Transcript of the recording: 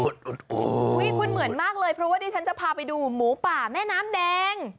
คุณเหมือนมากเลยเพราะว่าดิฉันจะพาไปดูหมูป่าแม่น้ำแดง